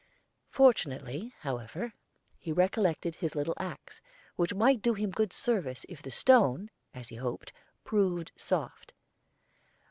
Fortunately, however, he recollected his little axe, which might do him good service if the stone, as he hoped, proved soft.